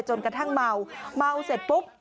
จนกระทั่งเมาเมาเสร็จปุ๊บ